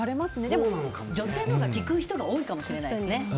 でも、女性のほうが聞く人が多いかもしれないですね。